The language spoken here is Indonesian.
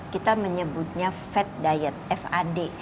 kita menyebutnya fed diet fad